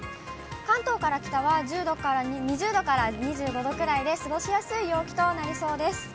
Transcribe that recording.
関東から北は２０度から２５度くらいで、過ごしやすい陽気となりそうです。